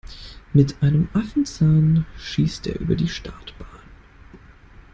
Mit einem Affenzahn schießt er über die Startbahn.